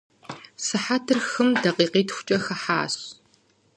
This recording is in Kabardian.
Сыхьэтыр хым дакъикъитхукӏэ хыхьащ.